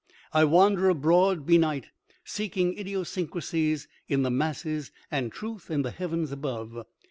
I wander abroad be night seeking idiosyncrasies in the masses and truth in the heavens above.